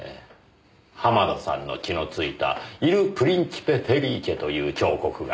濱田さんの血のついた『イル・プリンチペ・フェリーチェ』という彫刻が。